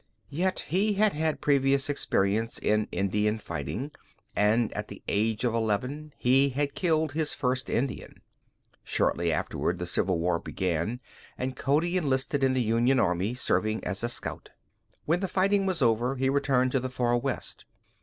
Yet he had had previous experience in Indian fighting and at the age of eleven he had killed his first Indian. Shortly afterward the Civil War began and Cody enlisted in the Union Army, serving as a scout. When the fighting was over he returned to the Far West.